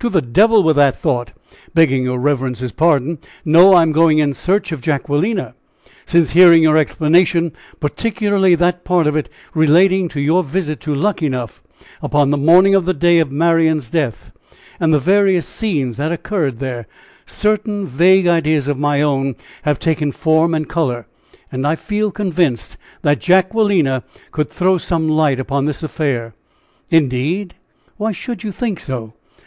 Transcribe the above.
To the devil with the thought! begging your reverence's pardon. No, I am going in search of Jacquelina. Since hearing your explanation, particularly that part of it relating to your visit to Luckenough, upon the morning of the day of Marian's death, and the various scenes that occurred there certain vague ideas of my own have taken form and color, and I feel convinced that Jacquelina could throw some light upon this affair." "Indeed! why should you think so?"